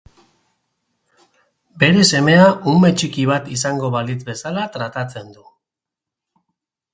Bere semea ume txiki bat izango balitz bezala tratatzen du.